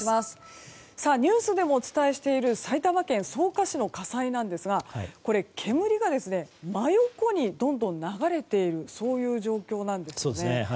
ニュースでもお伝えしている埼玉県草加市の火災なんですが煙が真横にどんどん流れているそういう状況なんですね。